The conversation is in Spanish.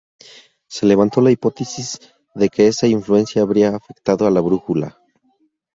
Se levantó la hipótesis de que esa influencia habría afectado a la brújula.